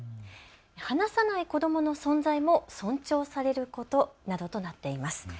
話さない子どもの存在も尊重されることなどとなっています。